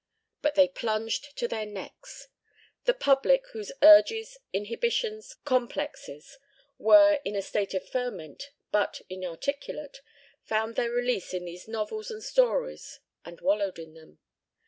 But they plunged to their necks. The public, whose urges, inhibitions, complexes, were in a state of ferment, but inarticulate, found their release in these novels and stories and wallowed in them.